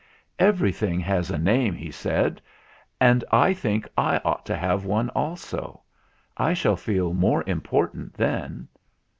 "Everything has a name," he said, "and I think I ought to have one also. I shall feel more important then."